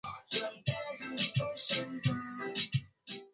mapishi ya viazi lishe yawekwe mafuta kiasi ili kusaidia ufyonzaji wa vitamini A